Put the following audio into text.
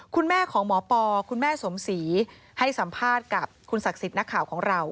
คุณแม่ของหมอปอคุณแม่สมศรีให้สัมภาษณ์กับคุณศักดิ์สิทธิ์นักข่าวของเรา